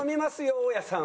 大家さんは。